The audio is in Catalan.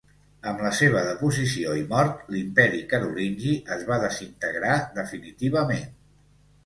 Amb la seva deposició i mort l'Imperi Carolingi es va desintegrar definitivament.